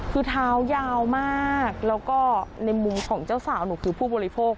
คือเท้ายาวมากแล้วก็ในมุมของเจ้าสาวหนูคือผู้บริโภค